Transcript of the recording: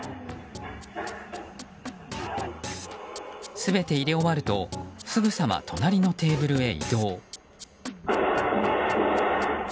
全て入れ終わるとすぐさま隣のテーブルへ移動。